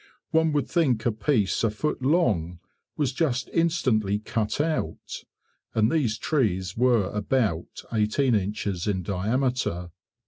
One would think a piece a foot long was just instantly cut out; and these trees were about 18 inches in diameter.